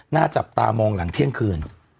หน้าจับตามองหลังเที่ยงคืน